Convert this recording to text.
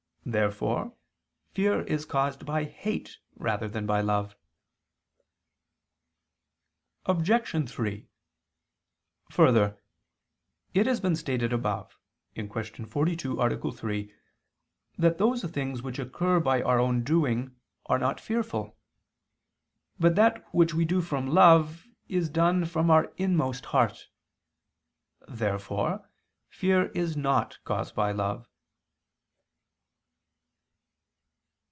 Therefore fear is caused by hate rather than by love. Obj. 3: Further, it has been stated above (Q. 42, A. 3) that those things which occur by our own doing are not fearful. But that which we do from love, is done from our inmost heart. Therefore fear is not caused by love.